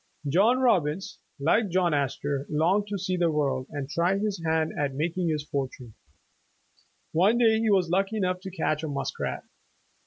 John Robbins, like John Astor, longed to see the world, and try his hand at making his fortune. One day he was lucky enough to catch a muskrat.